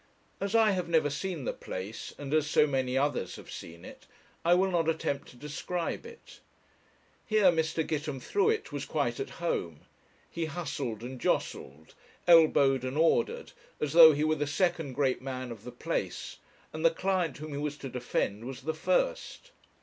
As I have never seen the place, and as so many others have seen it, I will not attempt to describe it. Here Mr. Gitemthruet was quite at home; he hustled and jostled, elbowed and ordered, as though he were the second great man of the place, and the client whom he was to defend was the first.